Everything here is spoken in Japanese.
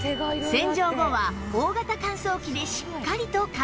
洗浄後は大型乾燥機でしっかりと乾燥